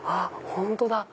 本当だ。